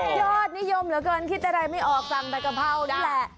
ยอดนิยมเหลือเกินคิดอะไรไม่ออกสั่งแต่กะเพรานี่แหละ